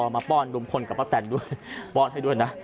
ป้อนลุงพลกับป้าแตนด้วยป้อนให้ด้วยนะ